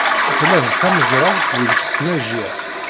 Tella d tamezrawt deg tesnajya.